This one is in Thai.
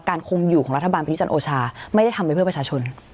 การคงอยู่ของรัฐบาลประชาชนโอชาไม่ได้ทำไว้เพื่อประชาชน